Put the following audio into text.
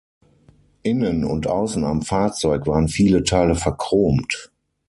Innen und außen am Fahrzeug waren viele Teile verchromt.